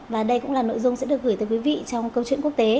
và đây cũng là nội dung sẽ được gửi tới quý vị trong câu chuyện quốc tế